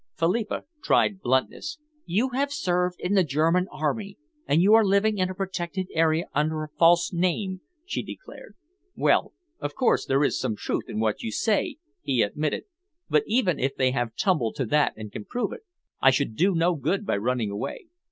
Philippa tried bluntness. "You have served in the German army, and you are living in a protected area under a false name," she declared. "Well, of course, there is some truth in what you say," he admitted, "but even if they have tumbled to that and can prove it, I should do no good by running away.